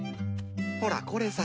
ほらこれさ。